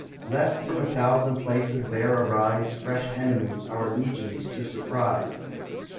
Lest from a thousand places there arise Fresh enemies our legions to surprise.